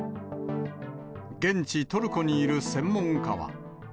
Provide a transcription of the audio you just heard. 現地、トルコにいる専門家は。